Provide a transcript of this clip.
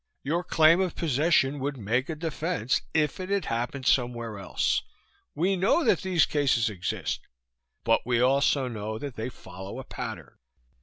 Your claim of possession would make a defense if it had happened anywhere else. We know that these cases exist, but we also know that they follow a pattern.